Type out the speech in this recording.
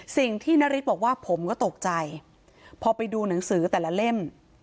สิ่งที่นาริสบอกว่าผมก็ตกใจพอไปดูหนังสือแต่ละเล่ม